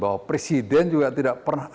bahwa presiden juga tidak pernah